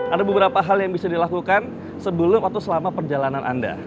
ada beberapa hal yang bisa dilakukan sebelum atau selama perjalanan anda